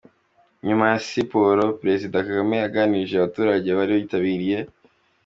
Nyuma ya Siporo Perezida Kagame yaganirije abaturage bari bitabiriye.